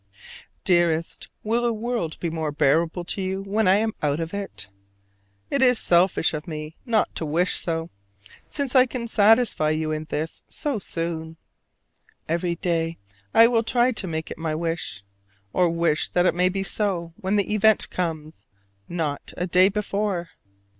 Dearest, will the world be more bearable to you when I am out of it? It is selfish of me not to wish so, since I can satisfy you in this so soon! Every day I will try to make it my wish: or wish that it may be so when the event comes not a day before.